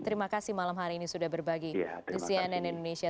terima kasih malam hari ini sudah berbagi di cnn indonesia